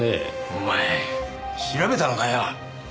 お前調べたのかよ。